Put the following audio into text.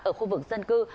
ở khu vực dân cư